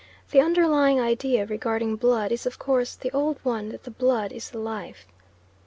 The underlying idea regarding blood is of course the old one that the blood is the life.